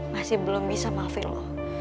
masih belum bisa maafin lo